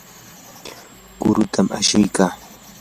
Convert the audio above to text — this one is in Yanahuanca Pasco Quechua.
quritam ashikaa.